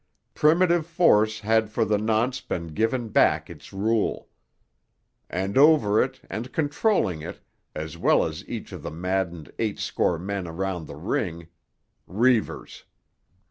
Primitive force had for the nonce been given back its rule. And over it, and controlling it, as well as each of the maddened eight score men around the ring—Reivers.